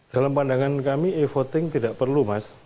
dalam pandangan kami e voting tidak perlu mas